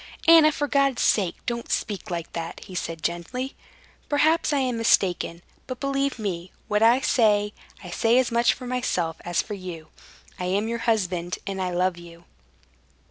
"Anna, for God's sake don't speak like that!" he said gently. "Perhaps I am mistaken, but believe me, what I say, I say as much for myself as for you. I am your husband, and I love you."